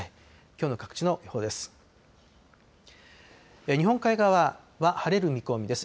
きょうの各地の予報です。